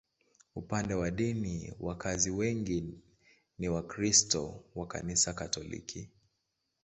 Upande wa dini, wakazi wengi ni Wakristo wa Kanisa Katoliki.